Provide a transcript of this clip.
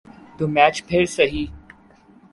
تو میچ پھر سہی۔